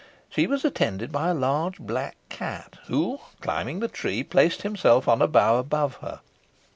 She was attended by a large black cat, who, climbing the tree, placed himself on a bough above her.